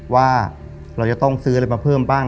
ว่าเราจะต้องซื้ออะไรมาเพิ่มบ้าง